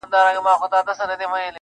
و دې پتنګ زړه ته مي ګرځمه لمبې لټوم,